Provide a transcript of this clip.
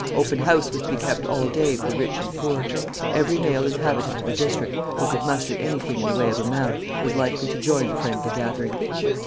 Open house was to be kept all day for rich and poor. Every male inhabitant of the district who could muster anything in the way of a mount was likely to join the friendly gathering.